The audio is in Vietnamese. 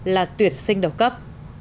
là tuyển sinh đầu cấp